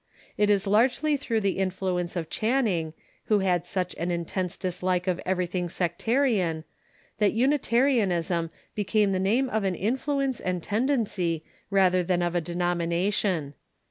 It is largely through the influ ence of Channing, who had such an intense dislike of every thing sectarian, that Unitarianism became the name of an in fluence and tendency rather than of a denomination.